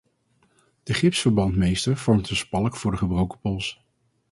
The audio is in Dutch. De gipsverbandmeester vormt een spalk voor de gebroken pols.